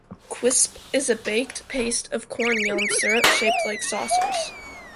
Quisp is a baked paste of corn meal and syrup shaped like saucers.